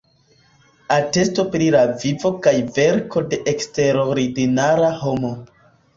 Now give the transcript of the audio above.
Atesto pri la vivo kaj verko de eksterordinara homo".